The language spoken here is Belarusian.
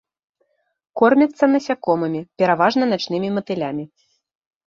Кормяцца насякомымі, пераважна начнымі матылямі.